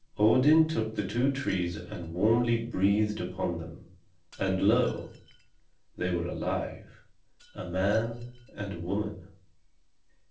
Odin took the two trees and warmly breathed upon them; and lo! they were alive, a man and a woman.